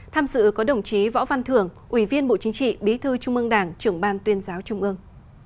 tham dự có đồng chí võ văn thưởng ủy viên bộ chính trị bí thư trung ương đảng trưởng ban tuyên giáo trung ương